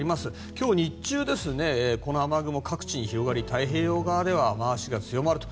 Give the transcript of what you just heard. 今日日中、この雨雲各地に広がり太平洋側では雨脚が強まると。